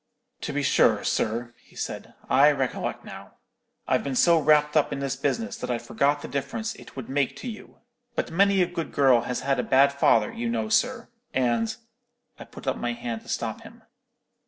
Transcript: "'To be sure, sir,' he said; 'I recollect now. I've been so wrapt up in this business that I forgot the difference it would make to you; but many a good girl has had a bad father, you know, sir, and——' "I put up my hand to stop him.